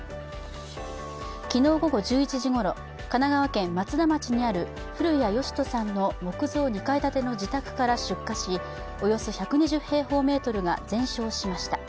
昨日午後１１時ごろ、神奈川県松田町にある古谷好人さんの木造２階建ての自宅から出火しおよそ１２０平方メートルが全焼しました。